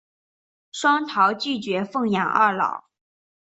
双桃拒绝奉养二老。